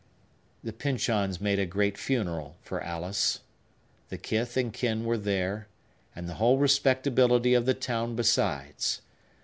The Pyncheons made a great funeral for Alice. The kith and kin were there, and the whole respectability of the town besides.